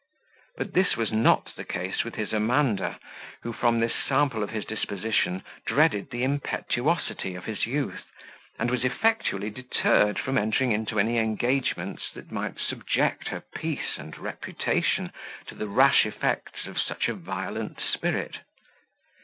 But this was not the case with his Amanda, who, from this sample of his disposition, dreaded the impetuosity of his youth, and was effectually deterred from entering into any engagements that might subject her peace and reputation to the rash effects of such a violent spirit.